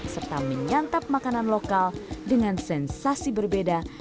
serta menyantap makanan lokal dengan sensasi berbeda